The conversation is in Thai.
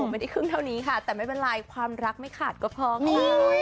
ไม่ได้ครึ่งเท่านี้ค่ะแต่ไม่เป็นไรความรักไม่ขาดก็พอค่ะ